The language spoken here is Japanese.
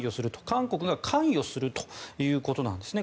韓国が関与するということなんですね。